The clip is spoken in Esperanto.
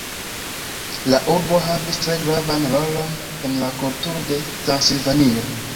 La urbo havis tre gravan rolon en la kulturo de Transilvanio.